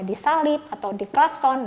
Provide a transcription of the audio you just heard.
disalip atau dikelakson